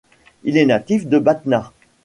Il est natif de Batna.